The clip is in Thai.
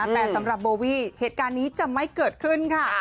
แต่สำหรับโบวี่เหตุการณ์นี้จะไม่เกิดขึ้นค่ะ